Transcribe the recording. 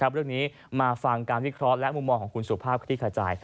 เรื่องนี้มาฟังการวิเคราะห์และมุมมองของคุณสุภาพคลิกขจาย